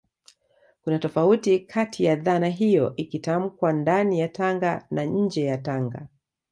kuna tofauti kati ya dhana hiyo ikitamkwa ndani ya Tanga na nje ya Tanga